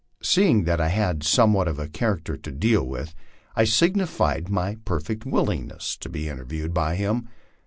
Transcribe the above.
Seeing that I had somewhat of a char acter to deal with, I signified my perfect willingness to be interviewed by him.